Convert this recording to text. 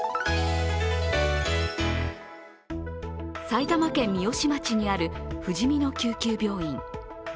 埼玉県三芳町にあるふじみの救急病院。